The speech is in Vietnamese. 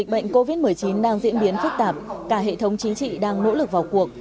bệnh covid một mươi chín đang diễn biến phức tạp cả hệ thống chính trị đang nỗ lực vào cuộc